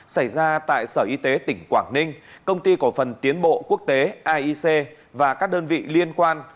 xảy ra tại sở y tế tỉnh quảng ninh công ty cổ phần tiến bộ quốc tế aic và các đơn vị liên quan